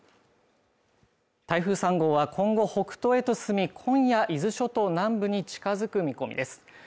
台風３号は今後北東へと進み今夜、伊豆諸島南部に近づく見込みです。